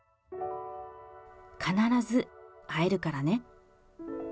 必ず会えるからね。